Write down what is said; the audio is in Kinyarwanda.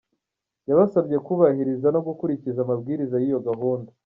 Yabasabye kubahiriza no gukurikiza amabwiriza y’iyo gahunda.